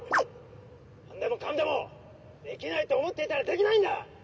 何でもかんでもできないって思っていたらできないんだ！